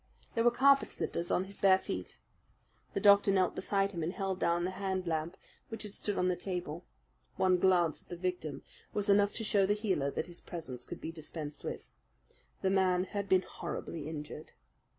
There were carpet slippers on his bare feet. The doctor knelt beside him and held down the hand lamp which had stood on the table. One glance at the victim was enough to show the healer that his presence could be dispensed with. The man had been horribly injured.